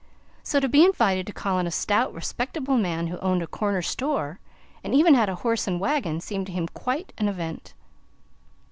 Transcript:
So, to be invited to call on a stout, respectable man who owned a corner store, and even had a horse and wagon, seemed to him quite an event.